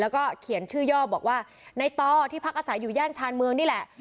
แล้วก็เขียนชื่อย่อบอกว่าในต่อที่พักอาศัยอยู่ย่านชานเมืองนี่แหละ